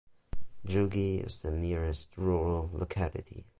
Yugi is the nearest rural locality.